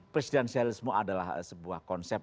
presidensialisme adalah sebuah konsep